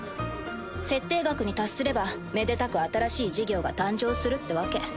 設定額に達すればめでたく新しい事業が誕生するってわけ。